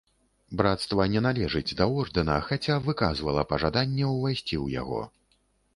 Брацтва не належыць да ордэна, хаця выказвала пажаданне ўвайсці ў яго.